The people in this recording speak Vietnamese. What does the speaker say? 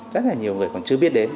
rất là nhiều người còn chưa biết đến